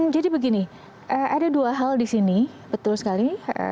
jadi begini ada dua hal di sini betul sekali